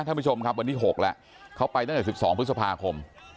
ท่านผู้ชมครับวันที่๖แล้วเขาไปตั้งแต่๑๒พฤษภาคม